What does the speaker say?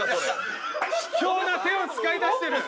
卑怯な手を使いだしてる。